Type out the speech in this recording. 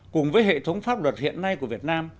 cùng với hệ thống pháp luật hiện nay của việt nam